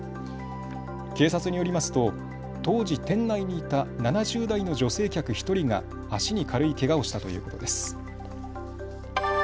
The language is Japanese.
警察によりますと当時、店内にいた７０代の女性客１人が足に軽いけがをしたということです。